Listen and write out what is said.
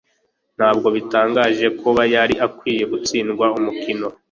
Ntabwo bitangaje kuba yari akwiye gutsindwa umukino